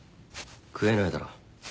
食えないだろ。